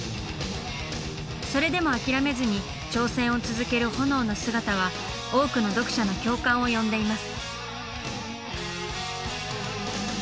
それでも諦めずに挑戦を続けるホノオの姿は多くの読者の共感を呼んでいます。